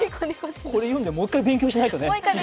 これ読んでもう一回勉強しないとね。